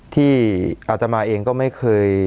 อาตมาเองก็ไม่เคย